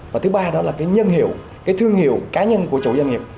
và thứ ba đó là cái nhân hiệu cái thương hiệu cá nhân của chủ doanh nghiệp